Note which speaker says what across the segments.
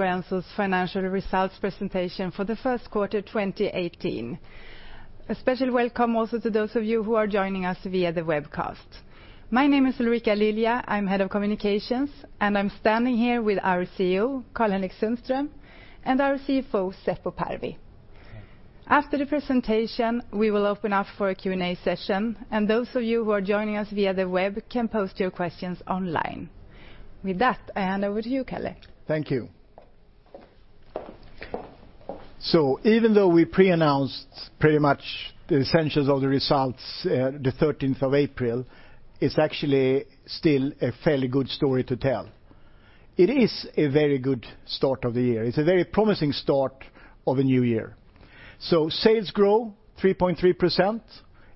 Speaker 1: Stora Enso's financial results presentation for the first quarter 2018. A special welcome also to those of you who are joining us via the webcast. My name is Ulrika Lilja. I'm head of communications, standing here with our CEO, Karl-Henrik Sundström, and our CFO, Seppo Parvi. After the presentation, we will open up for a Q&A session. Those of you who are joining us via the web can post your questions online. With that, I hand over to you, Kalle.
Speaker 2: Thank you. Even though we pre-announced pretty much the essentials of the results the 13th of April, it's actually still a fairly good story to tell. It is a very good start of the year. It's a very promising start of a new year. Sales grow 3.3%,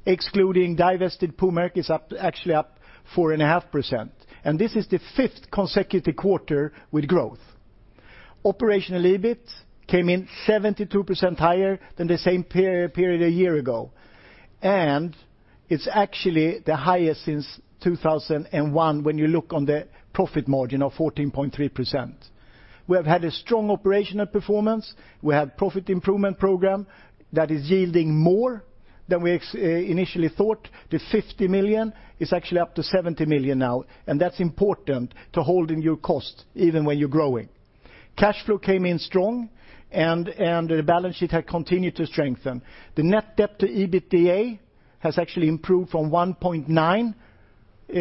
Speaker 2: excluding divested Puumerkki is actually up 4.5%. This is the fifth consecutive quarter with growth. Operational EBIT came in 72% higher than the same period a year ago. It's actually the highest since 2001 when you look on the profit margin of 14.3%. We have had a strong operational performance. We have profit improvement program that is yielding more than we initially thought. The 50 million is actually up to 70 million now. That's important to holding your cost even when you're growing. Cash flow came in strong. The balance sheet had continued to strengthen. The net debt to EBITDA has actually improved from 1.9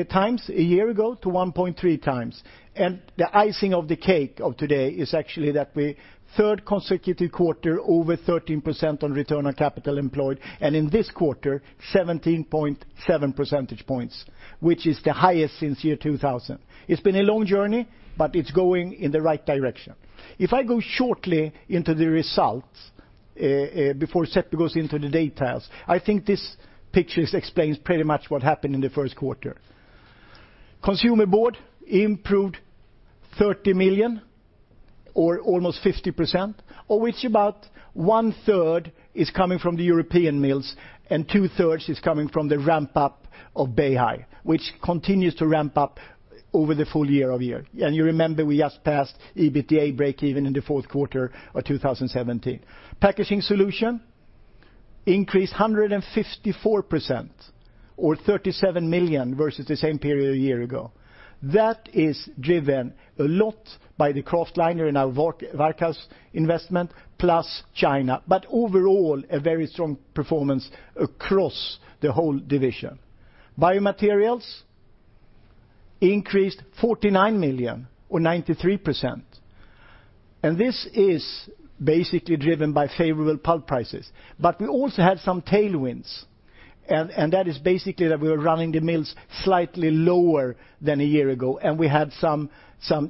Speaker 2: times a year ago to 1.3 times. The icing of the cake of today is actually that the third consecutive quarter over 13% on return on capital employed, in this quarter, 17.7 percentage points, which is the highest since year 2000. It's been a long journey, but it's going in the right direction. If I go shortly into the results, before Seppo goes into the details, I think this picture explains pretty much what happened in the first quarter. Consumer Board improved 30 million or almost 50%, of which about one third is coming from the European mills, and two-thirds is coming from the ramp-up of Beihai, which continues to ramp up over the full year-over-year. You remember, we just passed EBITDA breakeven in the fourth quarter of 2017. Packaging Solutions increased 154% or 37 million versus the same period a year ago. That is driven a lot by the kraftliner in our Varkaus investment plus China. Overall, a very strong performance across the whole division. Biomaterials increased 49 million or 93%. This is basically driven by favorable pulp prices. We also had some tailwinds. That is basically that we were running the mills slightly lower than a year ago. We had some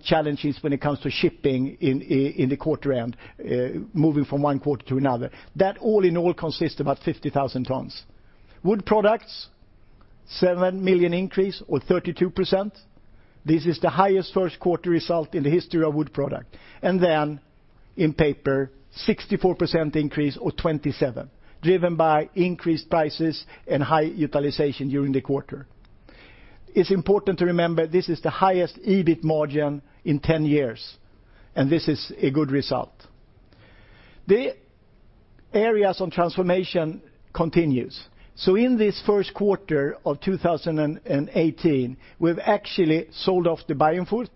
Speaker 2: challenges when it comes to shipping in the quarter end, moving from one quarter to another. That all in all consist about 50,000 tons. Wood Products, 7 million increase or 32%. This is the highest first quarter result in the history of wood product. Then in paper, 64% increase or 27 million, driven by increased prices and high utilization during the quarter. It is important to remember this is the highest EBIT margin in 10 years, and this is a good result. The areas on transformation continues. In this first quarter of 2018, we have actually sold off the Baienfurt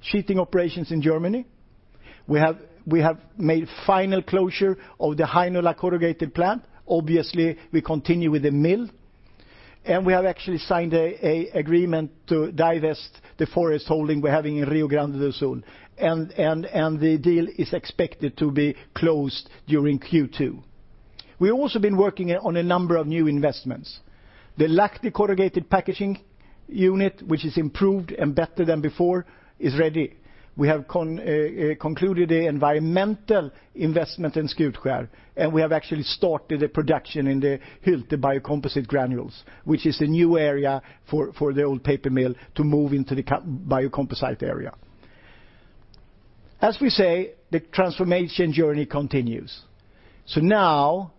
Speaker 2: Sheeting operations in Germany. We have made final closure of the Heinola corrugated plant. Obviously, we continue with the mill. We have actually signed an agreement to divest the forest holding we are having in Rio Grande do Sul, and the deal is expected to be closed during Q2. We also been working on a number of new investments. The Lahti corrugated packaging unit, which is improved and better than before, is ready. We have concluded an environmental investment in Skutskär, and we have actually started a production in the Hylte biocomposite granules, which is a new area for the old paper mill to move into the biocomposite area. As we say, the transformation journey continues. Now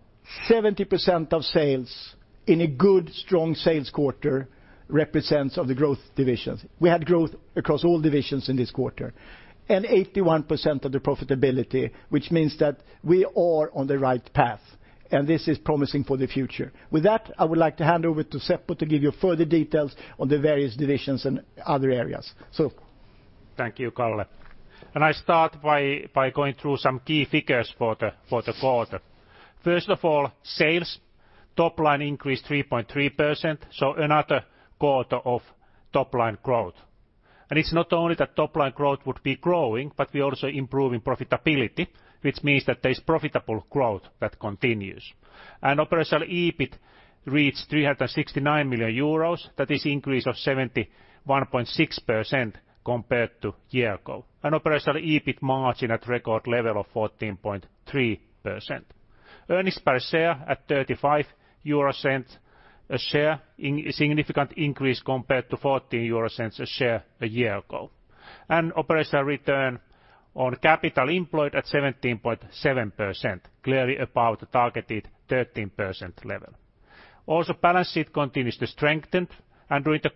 Speaker 2: 70% of sales in a good strong sales quarter represents of the growth divisions. We had growth across all divisions in this quarter, and 81% of the profitability, which means that we are on the right path, and this is promising for the future. With that, I would like to hand over to Seppo to give you further details on the various divisions and other areas. Seppo.
Speaker 3: Thank you, Kalle. I start by going through some key figures for the quarter. First of all, sales top line increased 3.3%, another quarter of top-line growth. It is not only that top line growth would be growing, but we are also improving profitability, which means that there is profitable growth that continues. Operational EBIT reached 369 million euros. That is increase of 71.6% compared to a year ago. Operational EBIT margin at record level of 14.3%. Earnings per share at 0.35 a share, significant increase compared to 0.14 a share a year ago. Operational return on capital employed at 17.7%, clearly above the targeted 13% level. Also, balance sheet continues to strengthen, and during the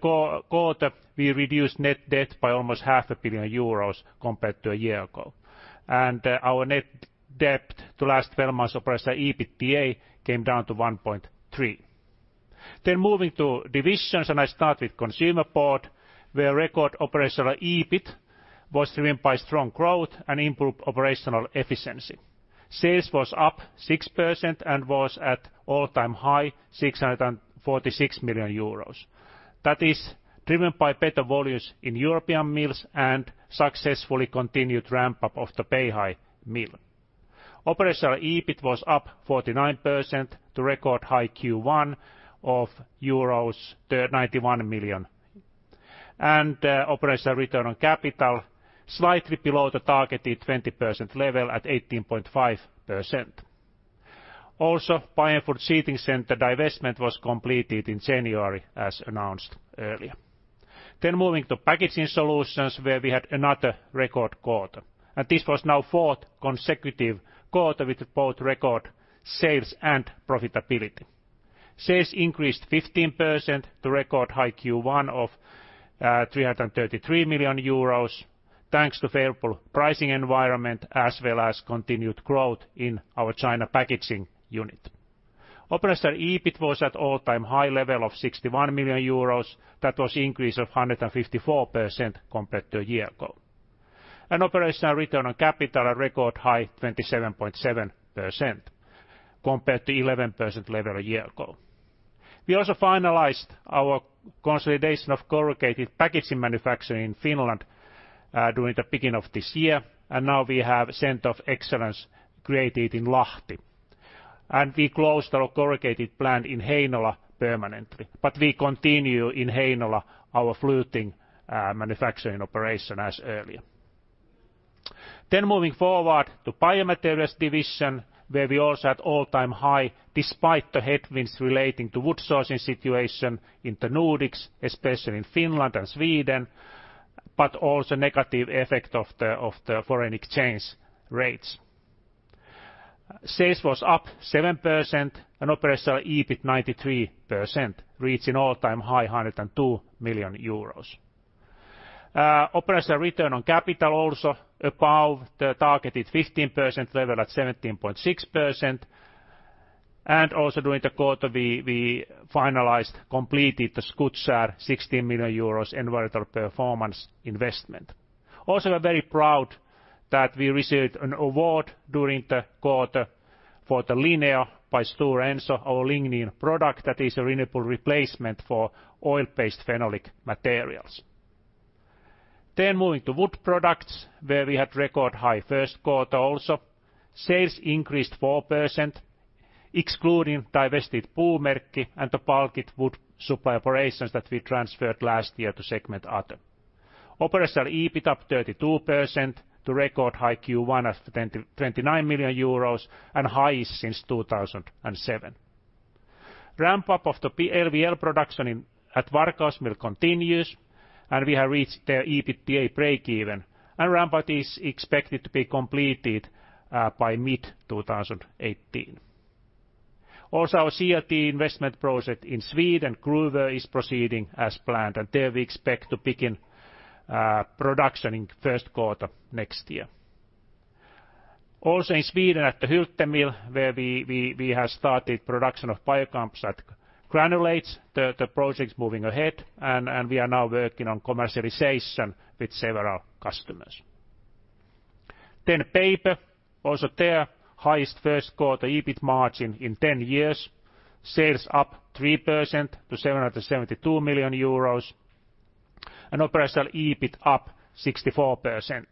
Speaker 3: quarter, we reduced net debt by almost half a billion euros compared to a year ago. Our net debt to last 12 months operational EBITDA came down to 1.3. Moving to divisions, I start with Consumer Board, where record operational EBIT was driven by strong growth and improved operational efficiency. Sales was up 6% and was at all-time high, 646 million euros. That is driven by better volumes in European mills and successfully continued ramp-up of the Beihai mill. Operational EBIT was up 49% to record high Q1 of 91 million euros. Operational return on capital, slightly below the targeted 20% level at 18.5%. Also, Baienfurt Sheeting Center divestment was completed in January as announced earlier. Moving to Packaging Solutions, where we had another record quarter. This was now fourth consecutive quarter with both record sales and profitability. Sales increased 15% to record high Q1 of 333 million euros, thanks to favorable pricing environment, as well as continued growth in our China packaging unit. Operational EBIT was at all-time high level of 61 million euros. That was increase of 154% compared to a year ago. Operational return on capital, a record high 27.7%, compared to 11% level a year ago. We also finalized our consolidation of corrugated packaging manufacturing in Finland during the beginning of this year, now we have Center of Excellence created in Lahti. We closed our corrugated plant in Heinola permanently. We continue in Heinola our fluting manufacturing operation as earlier. Moving forward to Biomaterials, where we're also at all-time high, despite the headwinds relating to wood sourcing situation in the Nordics, especially in Finland and Sweden, also negative effect of the foreign exchange rates. Sales was up 7% and operational EBIT 93%, reaching all-time high 102 million euros. Operational return on capital also above the targeted 15% level at 17.6%. Also during the quarter, we finalized, completed the Skutskär 16 million euros environmental performance investment. Also, we're very proud that we received an award during the quarter for the Lineo by Stora Enso, our lignin product that is a renewable replacement for oil-based phenolic materials. Moving to Wood Products, where we had record high first quarter also. Sales increased 4%, excluding divested Puumerkki and the bulk wood supply operations that we transferred last year to segment Other. Operational EBIT up 32% to record high Q1 at 29 million euros and highest since 2007. Ramp-up of the LVL production at Varkaus mill continues, we have reached the EBITDA break-even and ramp-up is expected to be completed by mid-2018. Also, our CLT investment project in Sweden, Gruvön, is proceeding as planned, there we expect to begin production in Q1 next year. Also in Sweden at the Hylte mill, where we have started production of DuraSense granulates, the project's moving ahead, we are now working on commercialization with several customers. Paper, also there, highest Q1 EBIT margin in 10 years. Sales up 3% to 772 million euros, operational EBIT up 64%.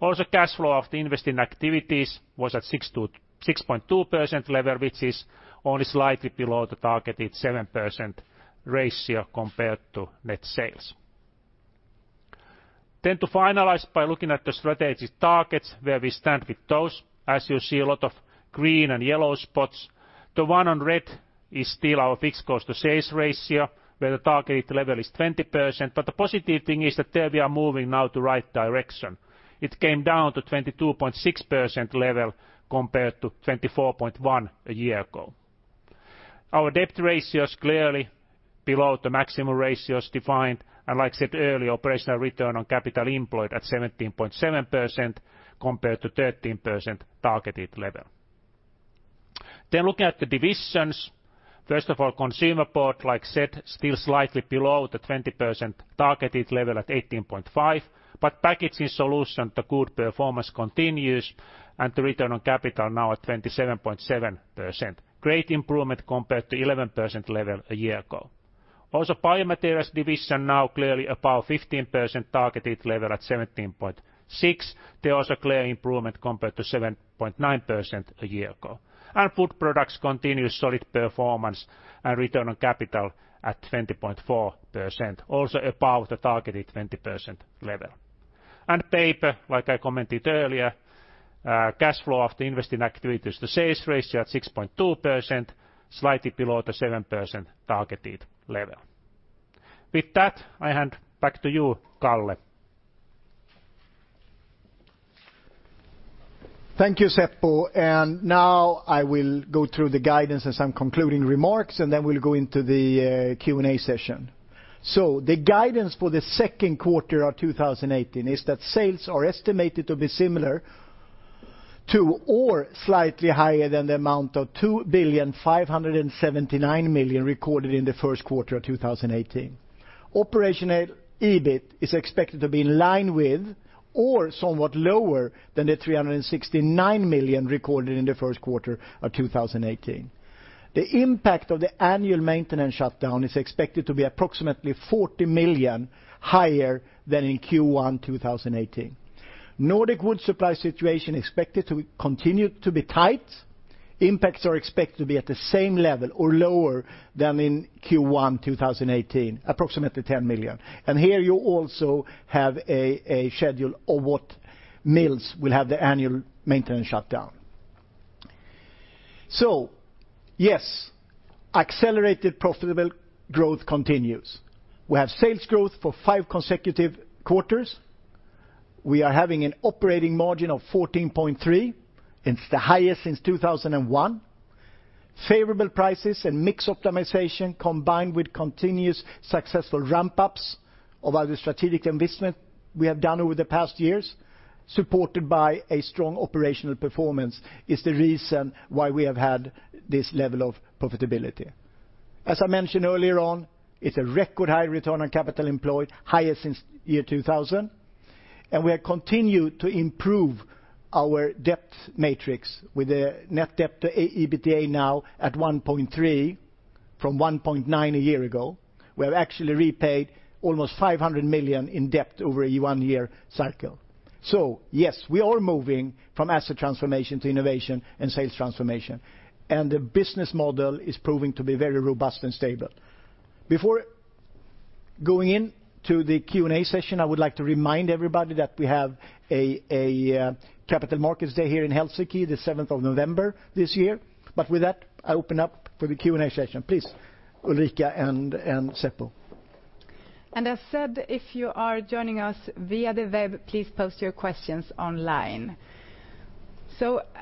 Speaker 3: Also, cash flow of the investing activities was at 6.2% level, which is only slightly below the targeted 7% ratio compared to net sales. To finalize by looking at the strategic targets, where we stand with those. As you see, a lot of green and yellow spots. The one on red is still our fixed cost to sales ratio, where the targeted level is 20%, the positive thing is that there we are moving now the right direction. It came down to 22.6% level compared to 24.1% a year ago. Our debt ratio's clearly below the maximum ratios defined, like I said earlier, operational return on capital employed at 17.7% compared to 13% targeted level. Looking at the divisions. First of all, Consumer Board, like I said, still slightly below the 20% targeted level at 18.5%, Packaging Solutions, the good performance continues, and the return on capital now at 27.7%. Great improvement compared to 11% level a year ago. Also, Biomaterials now clearly above 15% targeted level at 17.6%. There also clear improvement compared to 7.9% a year ago. Wood Products continues solid performance and return on capital at 20.4%, also above the targeted 20% level. Paper, like I commented earlier, cash flow of the investing activities to sales ratio at 6.2%, slightly below the 7% targeted level. With that, I hand back to you, Kalle.
Speaker 2: Thank you, Seppo. Now I will go through the guidance and some concluding remarks, and then we'll go into the Q&A session. The guidance for the second quarter of 2018 is that sales are estimated to be similar to or slightly higher than the amount of 2,579 million recorded in the first quarter of 2018. Operational EBIT is expected to be in line with or somewhat lower than the 369 million recorded in the first quarter of 2018. The impact of the annual maintenance shutdown is expected to be approximately 40 million higher than in Q1 2018. Nordic wood supply situation expected to continue to be tight. Impacts are expected to be at the same level or lower than in Q1 2018, approximately 10 million. Here you also have a schedule of what mills will have the annual maintenance shutdown. Yes, accelerated profitable growth continues. We have sales growth for five consecutive quarters. We are having an operating margin of 14.3%. It's the highest since 2001. Favorable prices and mix optimization, combined with continuous successful ramp-ups of other strategic investment we have done over the past years, supported by a strong operational performance, is the reason why we have had this level of profitability. As I mentioned earlier on, it's a record high return on capital employed, highest since the year 2000, and we have continued to improve our debt metrics with a net debt to EBITDA now at 1.3 from 1.9 a year ago. We have actually repaid almost 500 million in debt over a one-year cycle. Yes, we are moving from asset transformation to innovation and sales transformation, and the business model is proving to be very robust and stable. Before going into the Q&A session, I would like to remind everybody that we have a Capital Markets Day here in Helsinki, the 7th of November this year. With that, I open up for the Q&A session. Please, Ulrika and Seppo.
Speaker 1: I said, if you are joining us via the web, please post your questions online.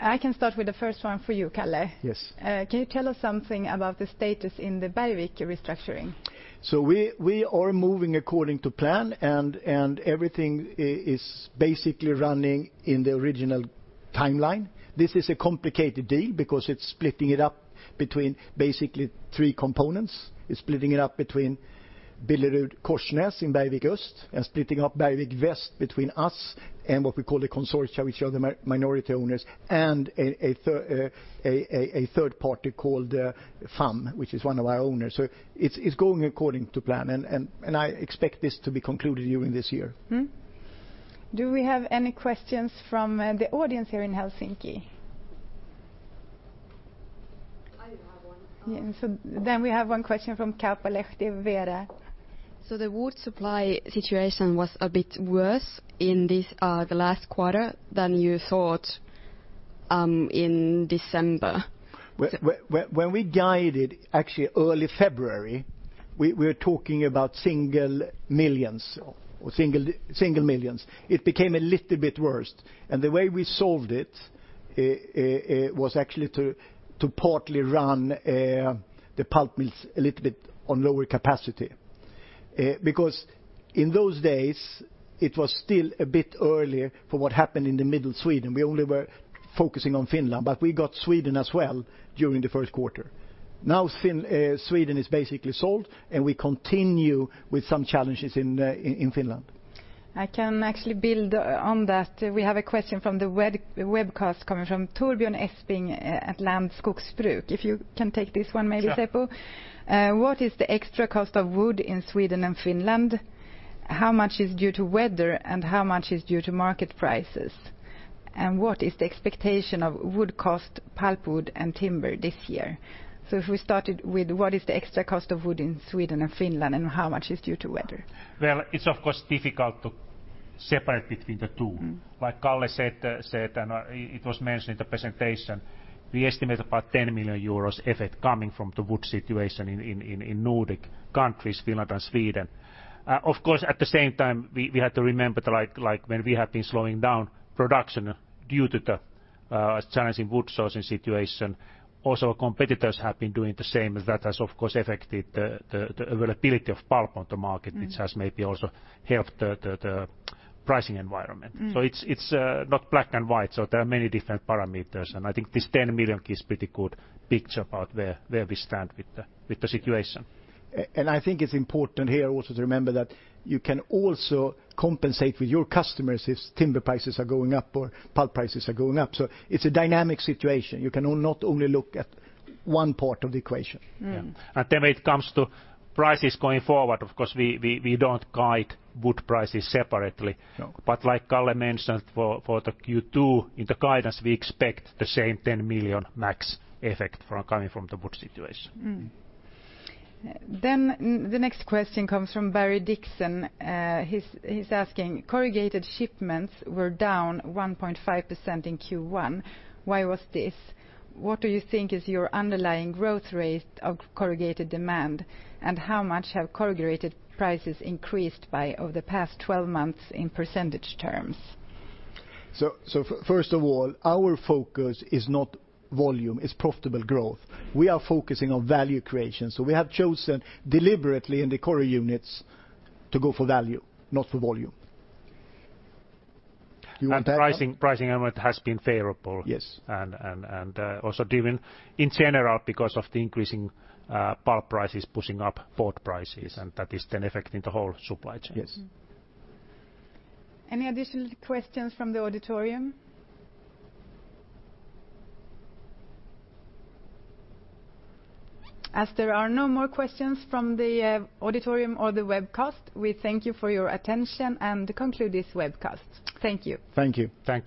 Speaker 1: I can start with the first one for you, Kalle.
Speaker 2: Yes.
Speaker 1: Can you tell us something about the status in the Bergvik restructuring?
Speaker 2: We are moving according to plan, and everything is basically running in the original timeline. This is a complicated deal because it's splitting it up between basically three components. It's splitting it up between BillerudKorsnäs in Bergvik Ost, and splitting up Bergvik Väst between us and what we call the Consortia, which are the minority owners, and a third party called FAM, which is one of our owners. It's going according to plan, and I expect this to be concluded during this year.
Speaker 1: Do we have any questions from the audience here in Helsinki?
Speaker 4: I do have one.
Speaker 1: Yeah. We have one question from Kauppalehti Veera.
Speaker 4: The wood supply situation was a bit worse in the last quarter than you thought in December.
Speaker 2: When we guided, actually early February, we were talking about single millions. It became a little bit worse. The way we solved it was actually to partly run the pulp mills a little bit on lower capacity. In those days, it was still a bit early for what happened in the middle of Sweden. We only were focusing on Finland, but we got Sweden as well during the first quarter. Sweden is basically sold, and we continue with some challenges in Finland.
Speaker 1: I can actually build on that. We have a question from the webcast coming from Torbjörn Esping at Land Skogsbruk. If you can take this one, maybe, Seppo.
Speaker 3: Sure.
Speaker 1: What is the extra cost of wood in Sweden and Finland? How much is due to weather, and how much is due to market prices? What is the expectation of wood cost, pulp wood, and timber this year?" If we started with what is the extra cost of wood in Sweden and Finland, and how much is due to weather?
Speaker 3: Well, it's of course difficult to separate between the two. Like Kalle said, and it was mentioned in the presentation, we estimate about 10 million euros effect coming from the wood situation in Nordic countries, Finland, and Sweden. Of course, at the same time, we have to remember that when we have been slowing down production due to the challenging wood sourcing situation, also our competitors have been doing the same. That has, of course, affected the availability of pulp on the market. which has maybe also helped the pricing environment. It's not black and white. There are many different parameters, and I think this 10 million gives pretty good picture about where we stand with the situation.
Speaker 2: I think it's important here also to remember that you can also compensate with your customers if timber prices are going up or pulp prices are going up. It's a dynamic situation. You cannot only look at one part of the equation.
Speaker 1: Yeah.
Speaker 3: When it comes to prices going forward, of course, we don't guide wood prices separately.
Speaker 2: No.
Speaker 3: Like Kalle mentioned for the Q2, in the guidance, we expect the same 10 million max effect coming from the wood situation.
Speaker 1: The next question comes from Barry Dixon. He's asking, "Corrugated shipments were down 1.5% in Q1. Why was this? What do you think is your underlying growth rate of corrugated demand, and how much have corrugated prices increased by over the past 12 months in % terms?
Speaker 2: First of all, our focus is not volume, it's profitable growth. We are focusing on value creation. We have chosen deliberately in the core units to go for value, not for volume. You want to add on?
Speaker 3: Pricing element has been favorable.
Speaker 2: Yes.
Speaker 3: Also driven in general because of the increasing pulp prices pushing up board prices, and that is then affecting the whole supply chains.
Speaker 2: Yes.
Speaker 1: Any additional questions from the auditorium? As there are no more questions from the auditorium or the webcast, we thank you for your attention and conclude this webcast. Thank you.
Speaker 2: Thank you.
Speaker 3: Thank you.